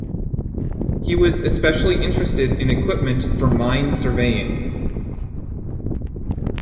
He was especially interested in equipment for mine surveying.